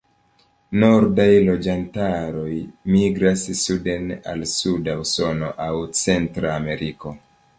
Nordaj loĝantaroj migras suden al suda Usono aŭ Centra Ameriko.